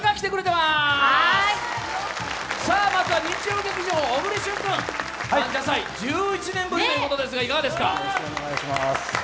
まずは日曜劇場、小栗旬君、感謝祭は１１年ぶりということですがいかがですか。